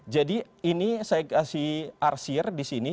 jadi ini saya kasih arsir di sini